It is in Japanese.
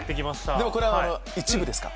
でもこれ一部ですか？